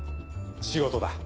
仕事だ。